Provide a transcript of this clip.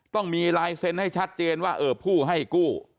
ต้องมีลายเซ็นต์ให้ชัดเจนว่าเออผู้ให้กู้